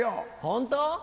本当？